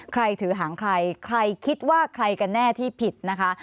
ถือหางใครใครคิดว่าใครกันแน่ที่ผิดนะคะ